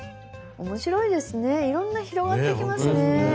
面白いですねいろんな広がっていきますね。